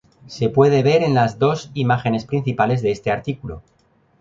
Se puede ver en las dos imágenes principales de este artículo.